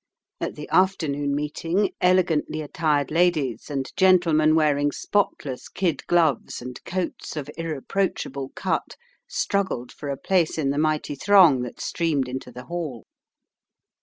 At the afternoon meeting, elegantly attired ladies and gentlemen, wearing spotless kid gloves and coats of irreproachable cut, struggled for a place in the mighty throng that streamed into the hall.